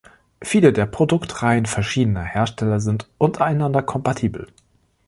Viele der Produktreihen verschiedener Hersteller sind untereinander kompatibel.